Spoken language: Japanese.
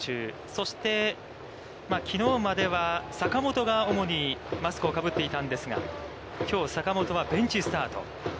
そして、きのうまでは坂本が主にマスクをかぶっていたんですが、きょう坂本はベンチスタート。